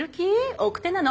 奥手なの。